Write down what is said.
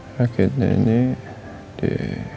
rakitnya ini di